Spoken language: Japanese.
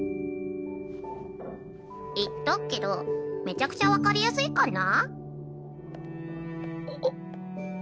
言っとくけどめちゃくちゃわかりやすいかんな？